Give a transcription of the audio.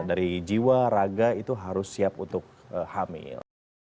dari jiwa raga itu harus siap untuk hamil